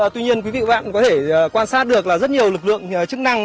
tuy nhiên quý vị và các bạn có thể quan sát được là rất nhiều lực lượng chức năng